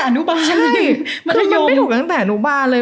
ก็ไม่ถูกตั้งแต่หนุ่บาลเลย